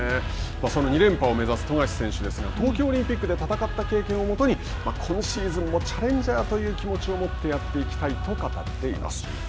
その２連覇を目指す富樫選手ですが東京オリンピックで戦った経験を基に今シーズンもチャレンジャーという気持ちを持ってやっていきたいと語っています。